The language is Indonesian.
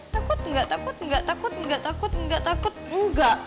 takut gak takut gak takut gak takut gak takut enggak